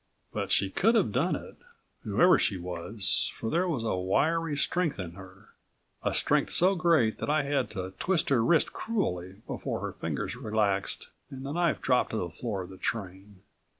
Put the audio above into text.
But she could have done it, whoever she was, for there was a wiry strength in her a strength so great that I had to twist her wrist cruelly before her fingers relaxed and the knife dropped to the floor of the train.